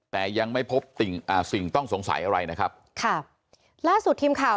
แต่ยังไม่พบสิ่งอ่าสิ่งต้องสงสัยอะไรนะครับค่ะล่าสุดทีมข่าว